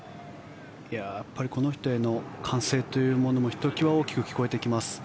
やっぱりこの人への歓声というのもひときわ大きく聞こえてきます。